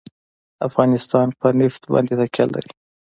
افغانستان په نفت باندې تکیه لري.